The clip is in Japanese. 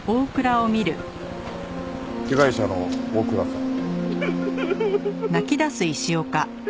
被害者の大倉さん？